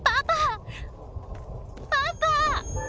パパ！